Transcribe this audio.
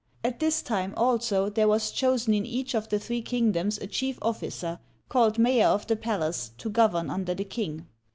At this time, also, there was chosen in each of the three kingdoms a chief officer, called Mayor of the Palace, to govern under the king.